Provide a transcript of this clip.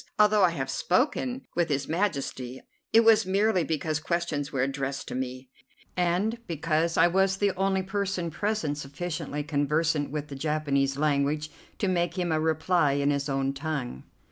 Although I have spoken with His Majesty, it was merely because questions were addressed to me, and because I was the only person present sufficiently conversant with the Japanese language to make him a reply in his own tongue."